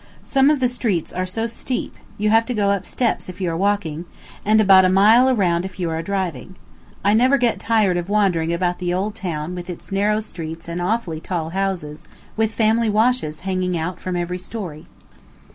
Some of the streets are so steep you have to go up steps if you are walking, and about a mile around if you are driving. I never get tired wandering about the Old Town with its narrow streets and awfully tall houses, with family washes hanging out from every story.